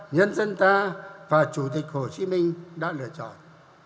nhân dân ta và chủ tịch hồ chí minh đã lựa chọn